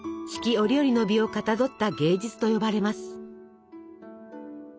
折々の美をかたどった芸術と呼ばれます。